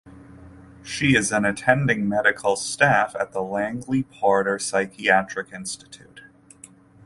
She is an attending medical staff at the Langley Porter Psychiatric Institute.